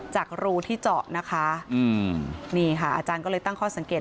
จากรูที่เจาะนะคะอืมนี่ค่ะอาจารย์ก็เลยตั้งข้อสังเกต